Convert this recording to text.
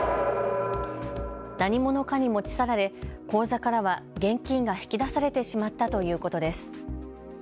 何者かに持ち去られ口座からは現金が引き出されてしまったということです。